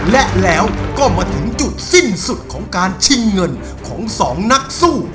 และแล้วก็มาถึงจุดสิ้นสุดของการชิงเงินของสองนักสู้